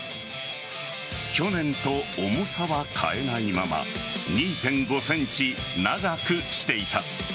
去年と重さは変えないまま２．５ｃｍ、長くしていた。